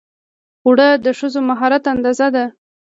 اوړه د ښځو د مهارت اندازه ده